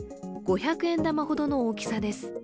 五百円玉ほどの大きさです。